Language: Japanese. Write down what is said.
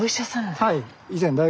はい。